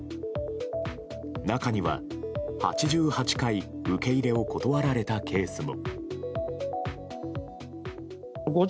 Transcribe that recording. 中には８８回受け入れを断られたケースも。